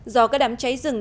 do các đám cháy rừng